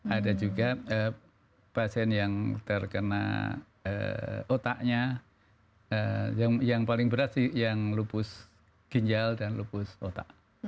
ada juga pasien yang terkena otaknya yang paling berat sih yang lupus ginjal dan lupus otak